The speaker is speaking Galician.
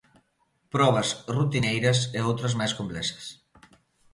Probas rutineiras e outras máis complexas.